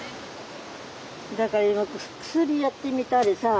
だから今薬やってみたりさあ。